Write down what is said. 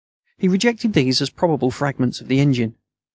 He rejected these as probably fragments of the engine.